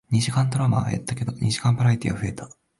二時間ドラマは減ったけど、二時間バラエティーは増えた